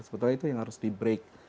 sebetulnya itu yang harus di break